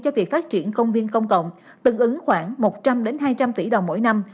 cho việc phát triển công viên công cộng tương ứng khoảng một trăm linh hai trăm linh tỷ đồng mỗi năm